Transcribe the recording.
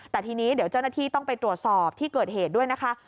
แต่ทีนี้เดี๋ยวเจ้าหน้าที่ต้องไปตรวจสอบที่เกิดเหตุด้วยนะคะ